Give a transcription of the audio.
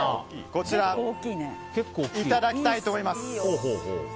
こちらいただきたいと思います。